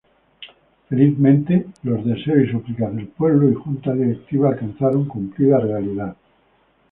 Felizmente los deseos y súplicas de pueblo y Junta Directiva alcanzaron cumplida realidad.